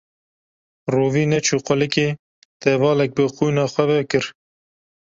Rovî neçû qulikê tevalek bi qûna xwe ve kir